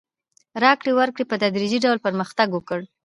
راکړې ورکړې په تدریجي ډول پرمختګ وکړ.